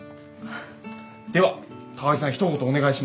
では高木さん一言お願いします。